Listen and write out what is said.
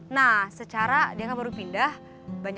nah secara diangkatnya dia udah berubah ya